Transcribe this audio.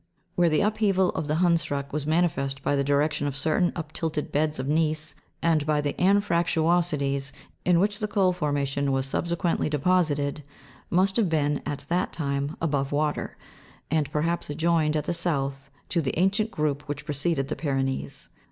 where the upheaval of the Hundsruck was manifest by the direction of certain uptilted beds of gneiss, and by the anfracluosi ties in which the coal formation was subsequently deposited, must have been, at that time, above water, and, perhaps joined, at the south, to the ancient group which preceded the Pyrenees.